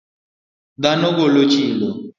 Dhano golo chilo.